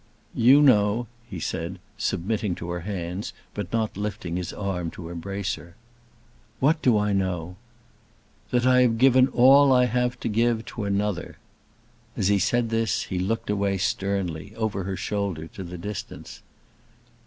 "You know," he said, submitting to her hands, but not lifting his arm to embrace her. "What do I know?" "That I have given all I have to give to another." As he said this he looked away sternly, over her shoulder, to the distance.